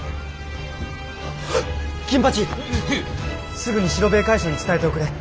すぐに四郎兵衛会所に伝えておくれ。